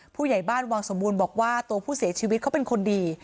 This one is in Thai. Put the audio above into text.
ผู้ใหญ่บ้านวังสมบูรณ์บอกว่าตัวผู้เสียชีวิตเขาเป็นคนดี